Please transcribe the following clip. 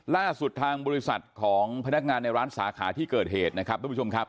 ล่าสุดทางบริษัทของพนักงานในร้านสาขาที่เกิดเหตุนะครับ